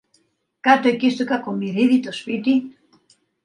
Κάτω εκεί, στου Κακομοιρίδη το σπίτι